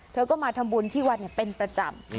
เธอก็มาทำบุญที่วัดเป็นประจำ